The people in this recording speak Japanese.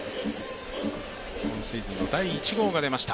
今シーズンの第１号が出ました